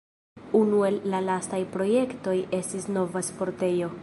Unu el la lastaj projektoj estis nova sportejo.